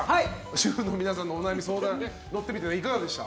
主婦の皆さんのお悩み相談乗ってみていかがでした？